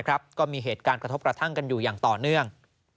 ก็มีเหตุการณ์กระทบกระทั่งกันอยู่อย่างต่อเนื่อง